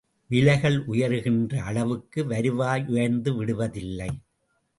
விலைகள் உயருகின்ற அளவுக்கு வருவாய் உயர்ந்து விடுவதில்லை.